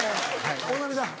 大波さん。